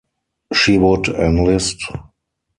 She would enlist.